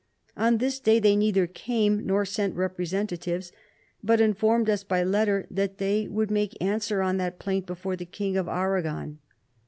On this day they neither came nor sent representatives, but informed us by letter that they would make answer on that plaint before the king of Aragon.